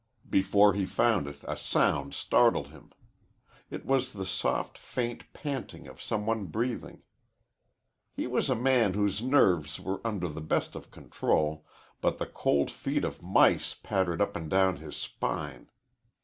Before he found it a sound startled him. It was the soft faint panting of some one breathing. He was a man whose nerves were under the best of control, but the cold feet of mice pattered up and down his spine.